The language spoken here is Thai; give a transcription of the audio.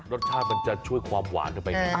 รสชาติมันจะช่วยความหวานเข้าไป